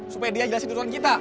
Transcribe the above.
supaya dia jelasin duluan kita